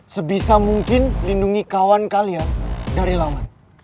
sebisa mungkin lindungi kawan kalian dari lawan